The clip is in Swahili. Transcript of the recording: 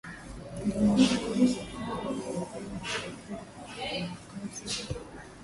vijana mamilioni waliajiriwa na serikali kwa kazi ya